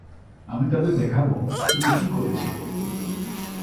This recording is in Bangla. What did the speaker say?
আমি তাদের দেখাবো তুমি কি করেছিলে।